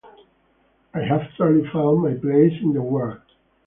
I have truly found my place in the world.